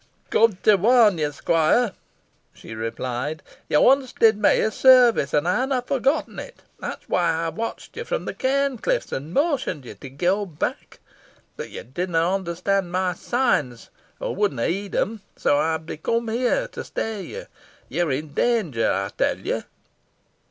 "Cum to warn ye, squoire," she replied; "yo once did me a sarvice, an ey hanna forgetten it. That's why I watched ye fro' the cairn cliffs, an motioned ye to ge back. Boh ye didna onderstand my signs, or wouldna heed 'em, so ey be cum'd here to stay ye. Yo're i' dawnger, ey tell ye."